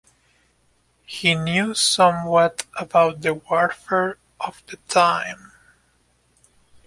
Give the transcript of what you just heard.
He knew somewhat about the warfare of the time.